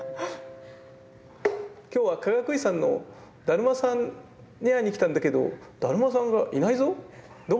「今日はかがくいさんのだるまさんに会いに来たんだけどだるまさんがいないぞ。